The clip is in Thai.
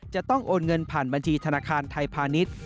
จะต้องโอนเงินผ่านบัญชีธนาคารไทยพาณิชย์